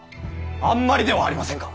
あんまりではありませんか！